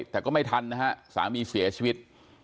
แต่ก็ไม่ทันนะฮะสามีเสียชีวิต